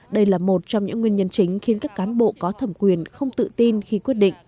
đây là một trong những nguyên nhân chính khiến các cán bộ có thẩm quyền không tự tin khi quyết định